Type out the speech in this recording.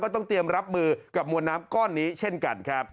ต้องเตรียมรับมือกับมวลน้ำก้อนนี้เช่นกันครับ